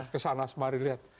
kesana mari lihat